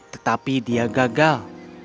tetapi dia gagal